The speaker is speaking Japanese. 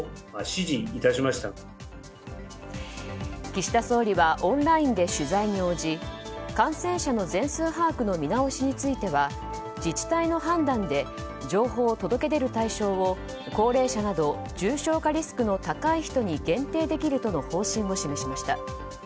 岸田総理はオンラインで取材に応じ感染者の全数把握の見直しについては自治体の判断で情報を届け出る対象を高齢者など重症化リスクの高い人に限定できるとの方針を示しました。